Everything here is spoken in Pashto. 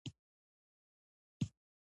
هېڅوک د تل لپاره ګټونکی نه دی.